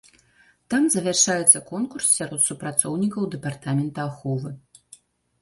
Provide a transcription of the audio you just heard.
Там завяршаецца конкурс сярод супрацоўнікаў дэпартамента аховы.